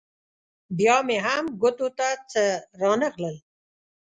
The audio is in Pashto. بیا مې هم ګوتو ته څه رانه غلل.